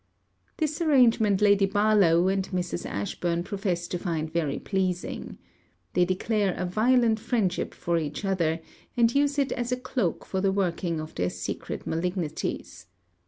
This arrangement Lady Barlowe and Mrs. Ashburn profess to find very pleasing. They declare a violent friendship for each other; and use it as a cloak for the workings of their secret malignities.